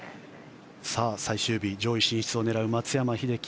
最終日上位進出を狙う松山英樹